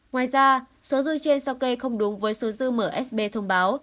ngoài ra số dư trên sao kê không đúng với số dư msb thông báo